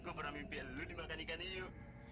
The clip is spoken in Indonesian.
gue pernah mimpi lo dimakan ikan hiu